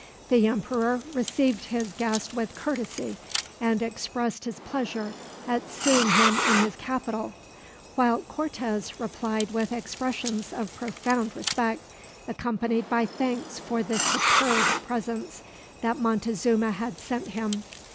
The emperor received his guest with courtesy, and expressed his pleasure at seeing him in his capital; while Cortez replied with expressions of profound respect, accompanied by thanks for the superb presents that Montezuma had sent him.